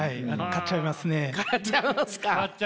買っちゃいますか？